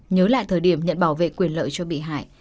nhớ lại thời điểm nhận bảo vệ quyền lợi cho bị hại